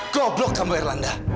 goblok kamu irlanda